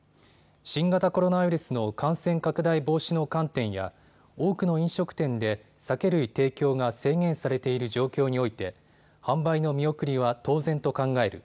新型コロナウイルスの感染拡大防止の観点や多くの飲食店で酒類提供が制限されている状況において販売の見送りは当然と考える。